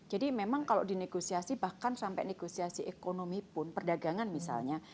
jadi memang kalau di negosiasi bahkan sampai negosiasi ekonomi pun perdagangan misalnya